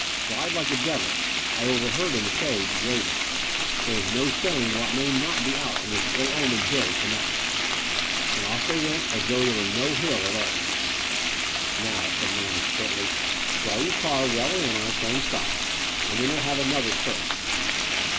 ''Drive like the devil," I overheard him say to Greville. "There is no saying what may not be out on this ill omened hill to night." And ofif they went as though there were no hill at all. The Brighton Road 31 "Now," said Manders curtly, "draw yotir car well in on its own side; and then we'll have another search."